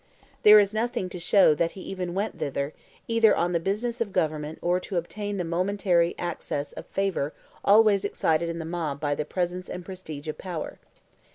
There is nothing to show that he even went thither, either on the business of government or to obtain the momentary access of favor always excited in the mob by the presence and prestige of power.